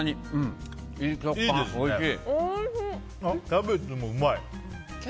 キャベツもうまい！